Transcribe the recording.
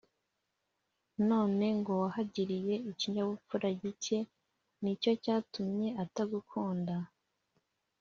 none ngo wahagiriye ikinyabupfura gike, ni cyo cyatumye atagukunda’.